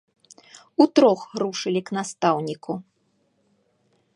Утрох рушылі к настаўніку.